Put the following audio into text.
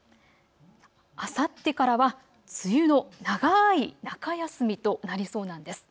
あさってからは梅雨の長い中休みとなりそうなんです。